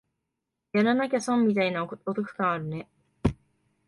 やらなきゃ損みたいなお得感あるね